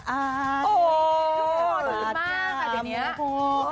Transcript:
อาจจะมือโฮ